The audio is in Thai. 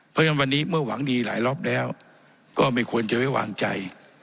เพราะฉะนั้นวันนี้เมื่อหวังดีหลายรอบแล้วก็ไม่ควรจะไว้วางใจ